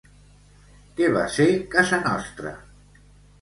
Què va ser Casa Nostra?